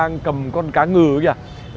đang cầm con cá ngừ kìa